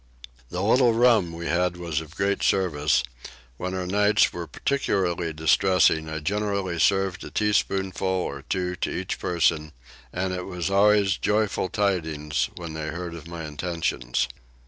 The little rum we had was of great service: when our nights were particularly distressing I generally served a teaspoonful or two to each person: and it was always joyful tidings when they heard of my intentions.